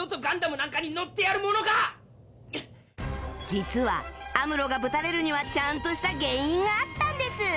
実はアムロがぶたれるにはちゃんとした原因があったんです